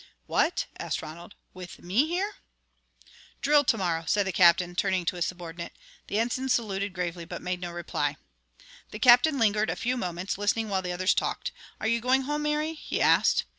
"What?" asked Ronald, "with me here?" "Drill to morrow," said the Captain, turning to his subordinate. The Ensign saluted gravely, but made no reply. The Captain lingered a few moments, listening while the others talked. "Are you going home, Mary?" he asked.